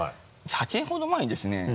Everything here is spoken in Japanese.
８年ほど前にですね